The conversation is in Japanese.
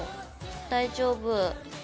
大丈夫。